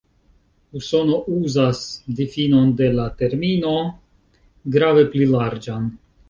Usono uzas difinon de la termino grave pli larĝan.